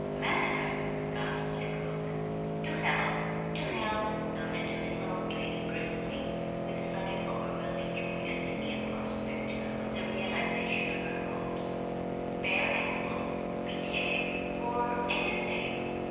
"Ma'am!" gasped the cook. "To help to help!" nodded the little old lady briskly, with a sudden overwhelming joy at the near prospect of the realization of her hopes. "Pare apples, beat eggs, or anything!"